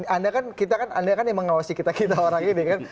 anda kan kita kan anda kan yang mengawasi kita kita orang ini kan